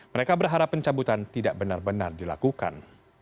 mereka berharap pencabutan tidak benar benar dilakukan